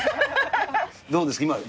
どうですか？